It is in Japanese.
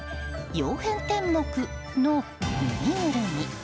曜変天目のぬいぐるみ。